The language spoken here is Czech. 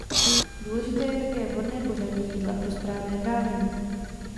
Důležité je také vhodné pořadí jídla pro správné trávení.